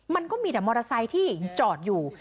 มันก็มีแต่มอเตอร์ไซค์ที่จอดอยู่